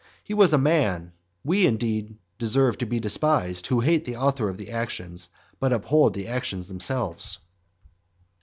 He was a man we, indeed, deserve to be despised, who hate the author of the actions, but uphold the actions themselves.